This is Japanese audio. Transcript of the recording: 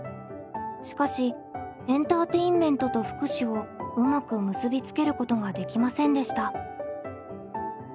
しかしエンターテインメントと福祉をうまく結び付けることができませんでした。